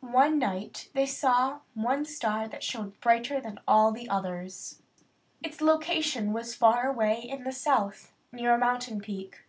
One night they saw one star that shone brighter than all others. Its location was far away in the south, near a mountain peak.